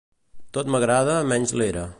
Tot m'agrada, menys l'era.